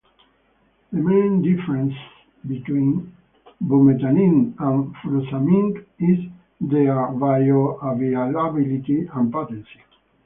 The main difference between bumetanide and furosemide is in their bioavailability and potency.